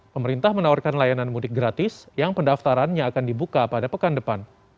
pemerintah menawarkan layanan mudik gratis yang pendaftarannya akan dibuka pada pekan depan